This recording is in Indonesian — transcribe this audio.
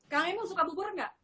kang emil suka bubur gak